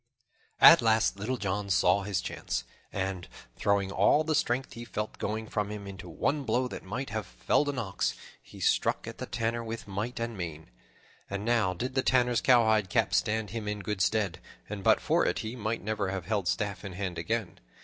At last Little John saw his chance, and, throwing all the strength he felt going from him into one blow that might have felled an ox, he struck at the Tanner with might and main. And now did the Tanner's cowhide cap stand him in good stead, and but for it he might never have held staff in hand again.